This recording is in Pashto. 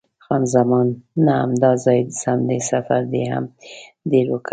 خان زمان: نه، همدا ځای سم دی، سفر دې هم ډېر وکړ.